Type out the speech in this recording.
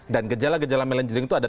dan gejala gejala melenduring itu ada